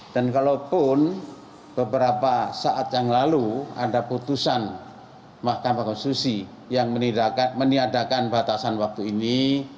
dan kalaupun beberapa saat yang lalu ada putusan mahkamah konstitusi yang meniadakan batasan waktu ini